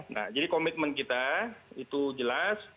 nah jadi komitmen kita itu jelas